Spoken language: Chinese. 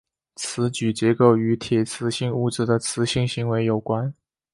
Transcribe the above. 磁矩结构与铁磁性物质的磁性行为有关。